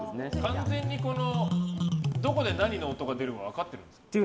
完全にどこで何の音が出るか分かってるんですか。